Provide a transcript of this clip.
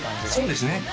そうですね。